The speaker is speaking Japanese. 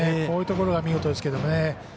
こういうところは見事ですけどね。